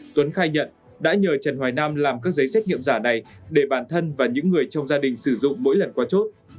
tuấn khai nhận đã nhờ trần hoài nam làm các giấy xét nghiệm giả này để bản thân và những người trong gia đình sử dụng mỗi lần qua chốt